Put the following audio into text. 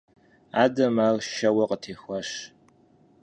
Адэм ар шэуэ къытехуащ.